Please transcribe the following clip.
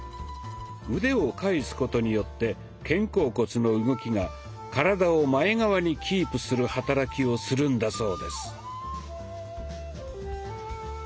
腕を返すことによって肩甲骨の動きが体を前側にキープする働きをするんだそうです。